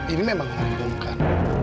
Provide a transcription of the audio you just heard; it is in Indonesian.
ini memang menghubungkan